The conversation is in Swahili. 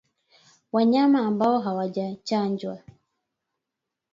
Wanyama ambao hawajachanjwa